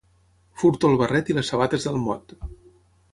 Furto el barret i les sabates del mot.